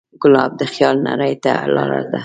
ګلاب د خیال نړۍ ته لاره ده.